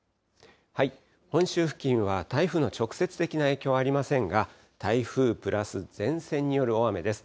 本州付近は台風の直接的な影響はありませんが、台風プラス前線による大雨です。